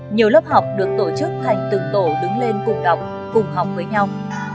nhiều lớp học được tổ chức thành từng tổ đứng lên cùng đọc cùng học với nhau